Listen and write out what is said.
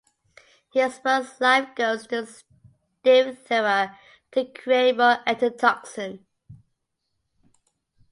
He exposed live goats to diphtheria to create more antitoxin.